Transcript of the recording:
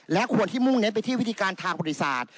และควรที่มุ่งเน้นไปที่วิธีการทางบริษัท